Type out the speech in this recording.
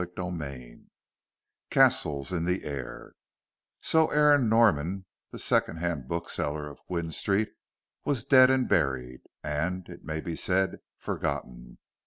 CHAPTER IX CASTLES IN THE AIR So Aaron Norman, the second hand bookseller of Gwynne Street, was dead and buried, and, it may be said, forgotten.